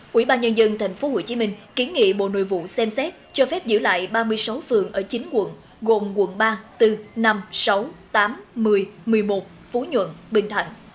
quỹ ban nhân dân tp hcm kiến nghị bộ nội vụ xem xét cho phép giữ lại ba mươi sáu phường ở chín quận gồm quận ba bốn năm sáu tám một mươi một mươi một phú nhuận bình thạnh